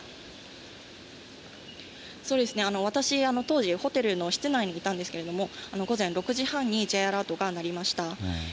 私、当時、ホテルの室内にいたんですけれども、午前６時半にＪアラートが鳴りました。